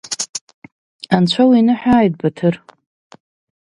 Анцәа уиныҳәааит, Баҭыр!